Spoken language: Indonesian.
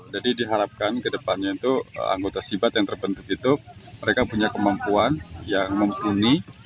jadi diharapkan ke depannya itu anggota sibat yang terbentuk itu mereka punya kemampuan yang mempunyai